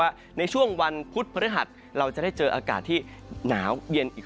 ว่าในช่วงวันพุธพฤหัสเราจะได้เจออากาศที่หนาวเย็นอีก